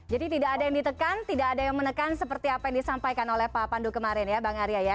jadi tidak ada yang ditekan tidak ada yang menekan seperti apa yang disampaikan oleh pak pandu kemarin ya bang arya ya